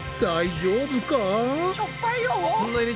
大丈夫かな？